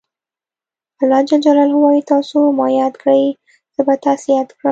الله ج وایي تاسو ما یاد کړئ زه به تاسې یاد کړم.